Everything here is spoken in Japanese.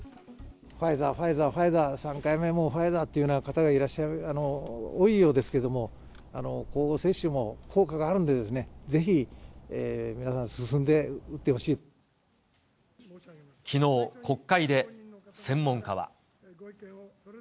ファイザー、ファイザー、ファイザー、３回目もファイザーというような方がいらっしゃる、多いようですけれども、交互接種も効果があるので、ぜひ皆さん、進んで打ってきのう国会で、専門家は。